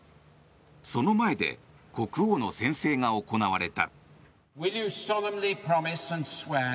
その前で国王の宣誓が行われた。